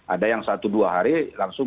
ada yang satu dua hari langsung